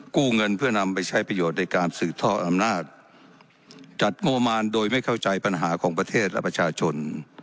กู้เงินเพื่อนำไปใช้ประโยชน์ในการสืบทอดอำนาจจัดงบประมาณโดยไม่เข้าใจปัญหาของประเทศและประชาชน